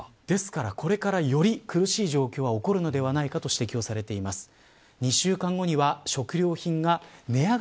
ですから、これからより苦しい状況が起きるのではないかと指摘されています。